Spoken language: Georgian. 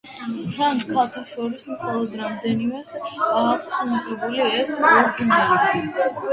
ფრანგ ქალთა შორის მხოლოდ რამდენიმეს აქვს მიღებული ეს ორდენი.